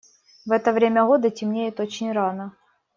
В это время года темнеет очень рано.